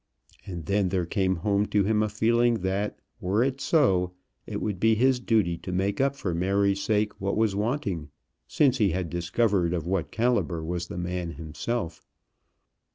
And then there came home to him a feeling that were they so, it would be his duty to make up for Mary's sake what was wanting, since he had discovered of what calibre was the man himself.